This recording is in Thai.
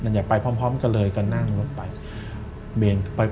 อย่าไปพร้อมก็เลยก็นั่งลงไป